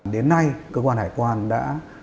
đến nay cơ quan hải quan đã